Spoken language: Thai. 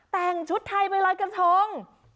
แต่งชุดไทยไปลอยกระทง